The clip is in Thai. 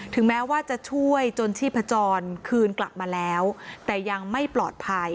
แม้ว่าจะช่วยจนชีพจรคืนกลับมาแล้วแต่ยังไม่ปลอดภัย